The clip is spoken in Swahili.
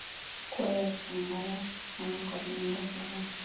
kuwa ya kushangaza sana kwa miongo kadhaa